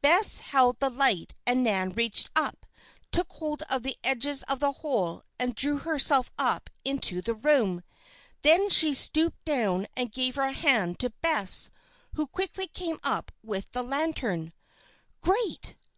Bess held the light and Nan reached up, took hold of the edges of the hole, and drew herself up into the room. Then she stooped down and gave her hand to Bess, who quickly came up with the lantern. "Great!"